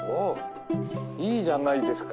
いいじゃないですか。